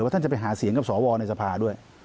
ท่านจะไปหาเสียงกับสวในสภาด้วย